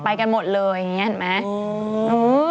กันหมดเลยอย่างนี้เห็นไหม